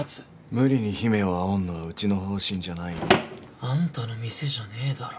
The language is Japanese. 無理に姫をあおんのはうちの方針じゃないよ。あんたの店じゃねぇだろ。